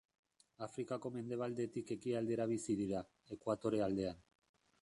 Afrikako mendebaldetik ekialdera bizi dira, Ekuatore aldean.